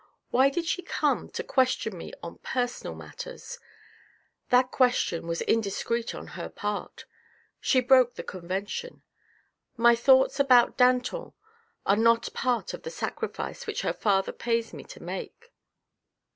Why did she come to question me on personal matters ? That question was indiscreet on her part. She broke the convention. My thoughts about Danton are not part of the sacrifice which her father pays me to make."